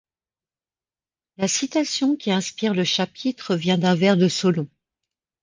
La citation qui inspire le chapitre vient d'un vers de Solon.